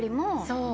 そう。